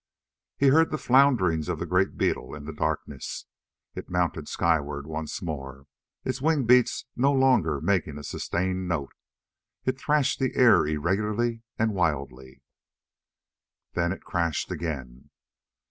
He heard the flounderings of the great beetle in the darkness. It mounted skyward once more, its wing beats no longer making a sustained note. It thrashed the air irregularly and wildly. Then it crashed again.